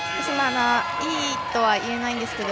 いいとは言えないんですけど